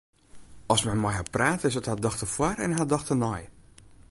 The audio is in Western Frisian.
As men mei har praat, is it har dochter foar en har dochter nei.